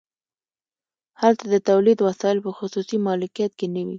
هلته د تولید وسایل په خصوصي مالکیت کې نه وي